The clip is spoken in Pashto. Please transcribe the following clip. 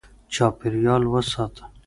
چاپېریال وساته.